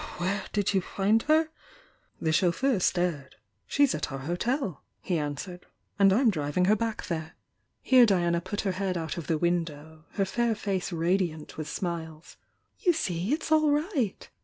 "Where did you find her?" The chauffeur stared. "She's at our hotel," he answered— "And I'm driv ing her back there." Here Diana put her head out of the window, — her fair face radiant with smiles. "You see, it's all right!"